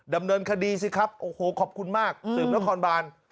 ดำเนินคดีสิครับโอ้โหขอบคุณมากสืบนครบาน